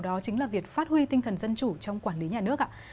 đó chính là việc phát huy tinh thần dân chủ trong quản lý nhà nước ạ